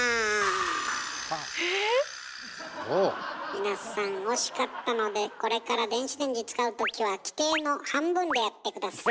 皆さん惜しかったのでこれから電子レンジ使う時は規定の半分でやって下さい。